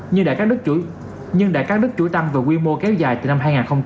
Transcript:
nhưng đại các đất chuỗi tăng về quy mô kéo dài từ năm hai nghìn một mươi một